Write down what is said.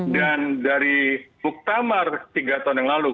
dan dari muktamar tiga tahun yang lalu